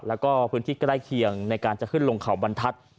แล้วก็พื้นที่ใกล้เคียงในการจะขึ้นลงเขาบรรทัศน์